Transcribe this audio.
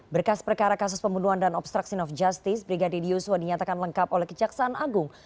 berkas perkara kasus pembunuhan dan obstruction of justice brigadir yosua dinyatakan lengkap oleh kejaksaan agung